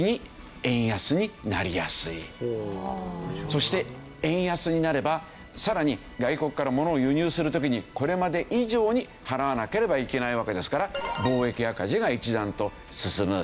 そして円安になればさらに外国から物を輸入する時にこれまで以上に払わなければいけないわけですから貿易赤字が一段と進む。